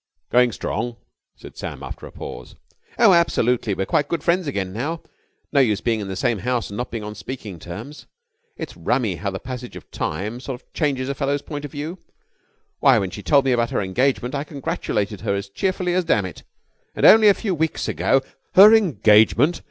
"Going strong?" said Sam, after a pause. "Oh, absolutely. We're quite good friends again now. No use being in the same house and not being on speaking terms. It's rummy how the passage of time sort of changes a fellow's point of view. Why, when she told me about her engagement, I congratulated her as cheerfully as dammit! And only a few weeks ago...." "Her engagement!"